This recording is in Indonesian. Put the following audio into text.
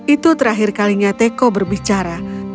itu terakhir kalinya teko berbicara